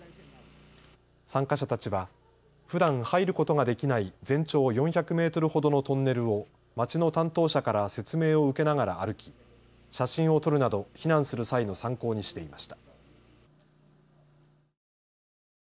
参加者たちはふだん入ることができない全長４００メートルほどのトンネルを町の担当者から説明を受けながら歩き写真を撮るなど避難する際の参考にしていました。